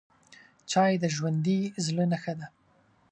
چای د ژوندي زړه نښه ده